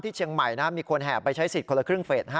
เชียงใหม่มีคนแห่ไปใช้สิทธิ์คนละครึ่งเฟส๕